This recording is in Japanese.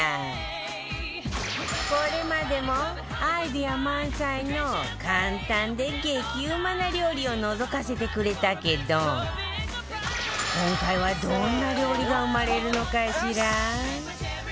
これまでもアイデア満載の簡単で激うまな料理をのぞかせてくれたけど今回はどんな料理が生まれるのかしら？